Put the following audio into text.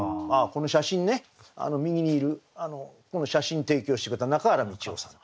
この写真ね右にいるこの写真提供してくれた中原道夫さん。